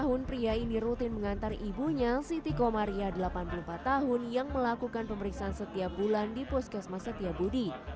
hal ini juga dirasakan oleh samsul komari